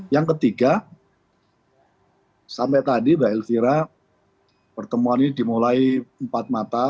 yang ketiga sampai tadi mbak elvira pertemuan ini dimulai empat mata